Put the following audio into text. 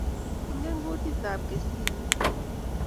Ingen kutitab kisiiyek